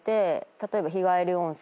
例えば。